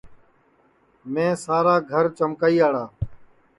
میں سارا گھرا چمکائیاڑا